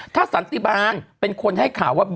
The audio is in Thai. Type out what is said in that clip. ถ้าสันติบาลเป็นคนให้ข่าวว่า